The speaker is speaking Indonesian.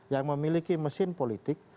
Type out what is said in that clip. yang memiliki mesin politik